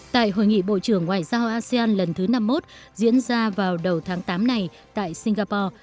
tại hội nghị bộ trưởng ngoại giao asean lần thứ năm mươi một diễn ra vào đầu tháng tám này tại singapore